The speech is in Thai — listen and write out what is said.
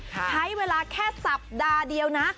ใช้เวลาแค่สัปดาห์เดียวนะ